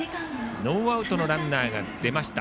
ノーアウトのランナーが出ました。